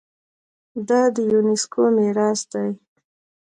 دا د یونیسکو میراث دی.